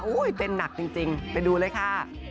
อุ้ยเต้นหนักจริงไปดูเลยค่ะ